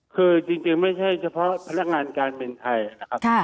คือจริงไม่ใช่เฉพาะพนักงานการบินไทยนะครับ